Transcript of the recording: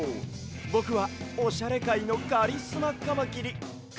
ぼくはオシャレかいのカリスマカマキリカリカマです！